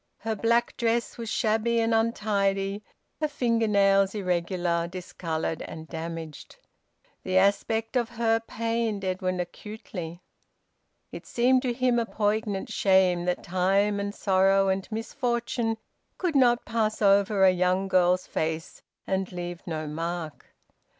Her black dress was shabby and untidy, her finger nails irregular, discoloured, and damaged. The aspect of her pained Edwin acutely. It seemed to him a poignant shame that time and sorrow and misfortune could not pass over a young girl's face and leave no mark.